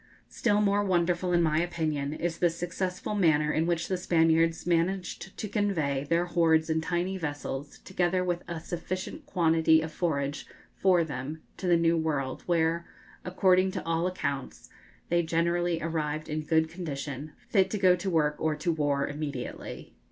Still more wonderful, in my opinion, is the successful manner in which the Spaniards managed to convey their hordes in tiny vessels, together with a sufficient quantity of forage for them, to the New World, where, according to all accounts, they generally arrived in good condition, fit to go to work or to war immediately.